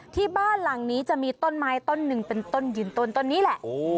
ที่บ้านหลังนี้จะมีต้นไม้ต้นหนึ่งเป็นต้นหินต้นนี้แหละ